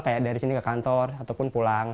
kayak dari sini ke kantor ataupun pulang